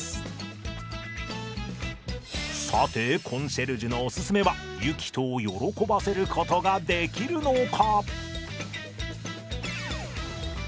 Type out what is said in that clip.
さてコンシェルジュのおすすめはゆきとを喜ばせることができるのか！？